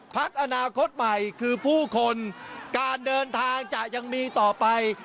พักอนาคตใหม่คือผู้คนการเดินทางจะยังมีต่อไป